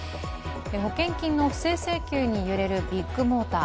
保険金の不正請求に揺れるビッグモーター。